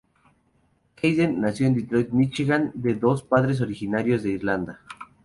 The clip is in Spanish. Hayden nació en Detroit, Michigan, de dos padres originarios de Irlanda.